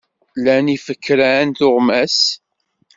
Lan yifekren tuɣmas?